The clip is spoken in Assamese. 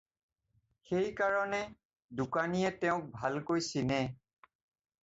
সেই কাৰণে, দোকানীয়ে তেওঁক ভালকৈ চিনে।